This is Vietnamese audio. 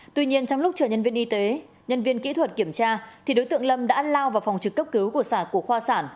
tuy nhiên trong lúc chờ nhân viên y tế nhân viên kỹ thuật kiểm tra thì đối tượng lâm đã lao vào phòng trực cấp cứu của sản của khoa sản